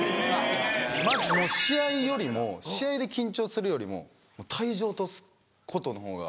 まずもう試合よりも試合で緊張するよりももう体重落とすことのほうが。